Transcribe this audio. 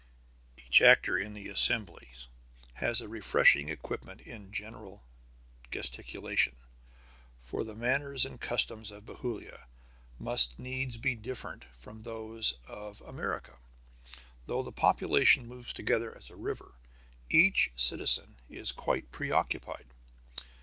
Each actor in the assemblies has a refreshing equipment in gentle gesticulation; for the manners and customs of Bethulia must needs be different from those of America. Though the population moves together as a river, each citizen is quite preoccupied.